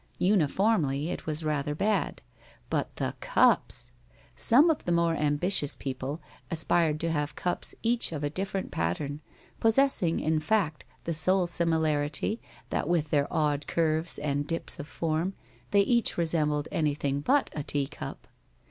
Uniformly it was rather bad. But the cups! Some of the more ambitious people aspired to have cups each of a different pattern, possessing, in fact, the sole similarity that with their odd curves and dips of form they each resembled anything but a teacup.